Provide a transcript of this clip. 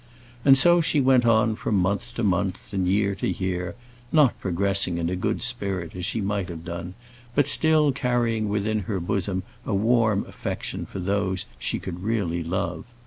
And so she went on from month to month, and year to year, not progressing in a good spirit as she might have done, but still carrying within her bosom a warm affection for those she could really love.